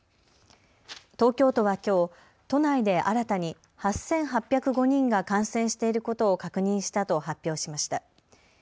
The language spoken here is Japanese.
東京都はきょう、都内で新たに８８０５人が感染していることを確認したと発表しました。